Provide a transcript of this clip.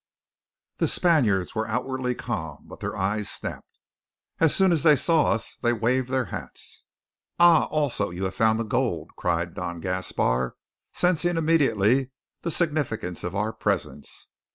The Spaniards were outwardly calm, but their eyes snapped. As soon as they saw us they waved their hats. "Ah! also you have found the gold!" cried Don Gaspar, sensing immediately the significance of our presence.